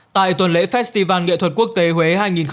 tại tuần lễ festival nghệ thuật quốc tế huế hai nghìn hai mươi bốn